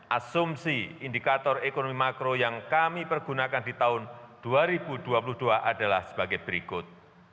asumsi indikator ekonomi makro yang kami pergunakan di tahun dua ribu dua puluh dua adalah sebagai berikut